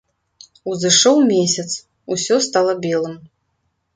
Узышоў месяц, усё стала белым.